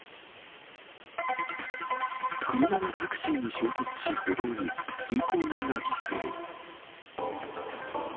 車がタクシーに衝突し、歩道に、通行人が犠牲。